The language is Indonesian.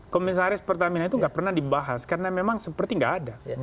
komisaris pertamina itu nggak pernah dibahas karena memang seperti nggak ada